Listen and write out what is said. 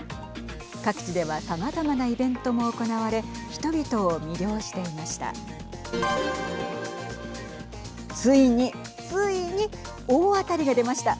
各地ではさまざまなイベントも行われ人々を魅了していました。